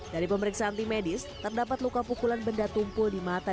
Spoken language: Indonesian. dari pemeriksaan tim medis terdapat luka pukulan benda tumpul di mata